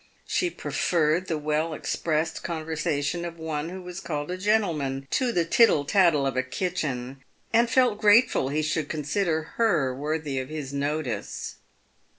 She preferred the well expressed con versation of one who was called a gentleman to the tittle tattle of a kitchen, and felt grateful he should consider her worthy of his notice.